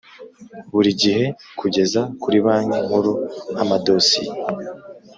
buri gihe kugeza kuri Banki Nkuru amadosiye